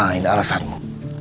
saya tidak ada alasanmu